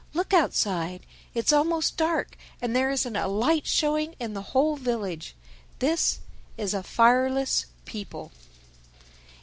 Look outside: It's almost dark, and there isn't a light showing in the whole village. This is a fireless people."